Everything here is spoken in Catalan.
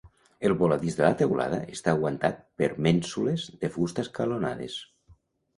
El voladís de la teulada està aguantat per mènsules de fusta escalonades.